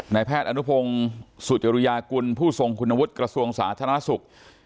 แพทย์อนุพงศ์สุจริยากุลผู้ทรงคุณวุฒิกระทรวงสาธารณสุข